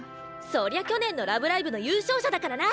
そりゃ去年の「ラブライブ！」の優勝者だからな！